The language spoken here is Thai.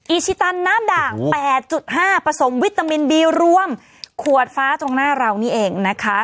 อิชิตันน้ำด่าง๘๕ผสมวิตามินบีรวมขวดฟ้าตรงหน้าเรานี่เองนะคะ